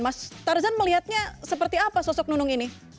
mas tarzan melihatnya seperti apa sosok nunung ini